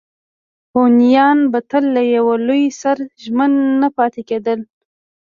هونیان به تل له یوه لوري سره ژمن نه پاتې کېدل.